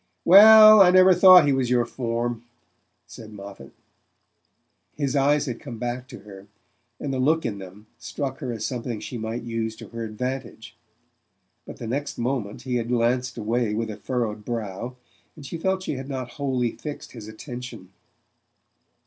"Well, I never thought he was your form," said Moffatt. His eyes had come back to her, and the look in them struck her as something she might use to her advantage; but the next moment he had glanced away with a furrowed brow, and she felt she had not wholly fixed his attention.